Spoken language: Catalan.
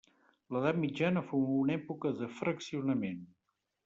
L'edat mitjana fou una època de fraccionament.